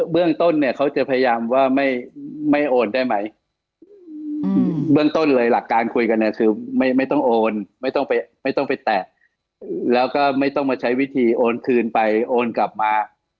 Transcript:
เรื่องต้นเนี่ยเขาจะพยายามว่าไม่โอนได้ไหมเบื้องต้นเลยหลักการคุยกันเนี่ยคือไม่ต้องโอนไม่ต้องไปแตะแล้วก็ไม่ต้องมาใช้วิธีโอนคืนไปโอนกลับมา